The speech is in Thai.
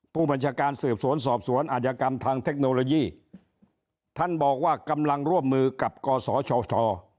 ผู้บัญชาการสืบสวนสอบสวนอาจกรรมทางเทคโนโลยีท่านบอกว่ากำลังร่วมมือกับกศช